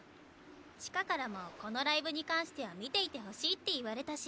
千歌からもこのライブに関しては見ていてほしいって言われたし。